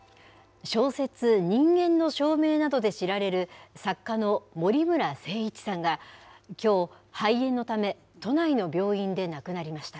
小説、人間の証明などで知られる作家の森村誠一さんがきょう、肺炎のため、都内の病院で亡くなりました。